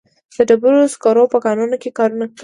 د ډبرو سکرو په کانونو کې کارونه کوي.